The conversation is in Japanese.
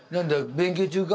勉強中か。